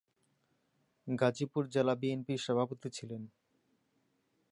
গাজীপুর জেলা বিএনপির সভাপতি ছিলেন।